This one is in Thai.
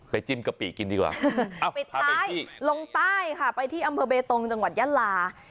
ไปจิ้นกะปิกินดีกว่าเอ้าพาไปที่ลงใต้ค่ะไปที่อำเภอเบตรงจังหวัดย่านลา